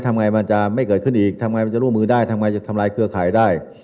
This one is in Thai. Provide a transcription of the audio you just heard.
ทำไงมันจะไม่เกิดขึ้นอีกทำไงมันจะร่วมมือได้ทำไงจะทำลายเครือข่ายได้